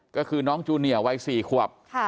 ก็คือน้องจูเนียร์วัย๔ขวบ